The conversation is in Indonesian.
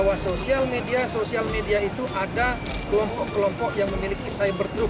hati hati sosial media kita sudah mengindikasi bahwa sosial media itu ada kelompok kelompok yang memiliki hal yang tidak terlalu baik